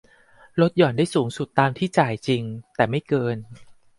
ลดหย่อนได้สูงสุดตามที่จ่ายจริงแต่ไม่เกิน